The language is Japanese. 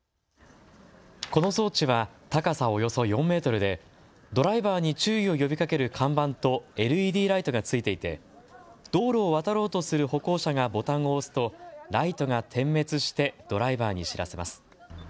この装置は高さおよそ４メートルでドライバーに注意を呼びかける看板とＬＥＤライトが付いていて道路を渡ろうとする歩行者がボタンを押すとライトが点滅してドライバーに知らせます。